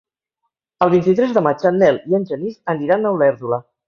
El vint-i-tres de maig en Nel i en Genís aniran a Olèrdola.